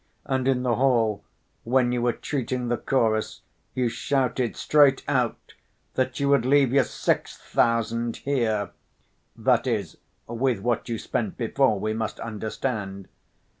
And in the hall, when you were treating the chorus, you shouted straight out that you would leave your sixth thousand here—that is with what you spent before, we must understand.